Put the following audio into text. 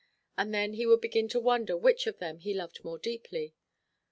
And then he would begin to wonder which of them he loved more deeply.